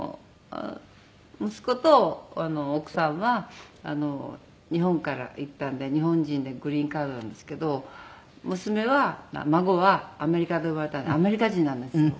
息子と奥さんは日本から行ったんで日本人でグリーンカードなんですけど娘は孫はアメリカで生まれたんでアメリカ人なんですよ。